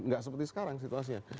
gak seperti sekarang situasinya